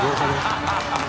ハハハ